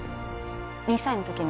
２歳の時ね